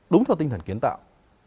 đúng theo tinh thần kiến tạo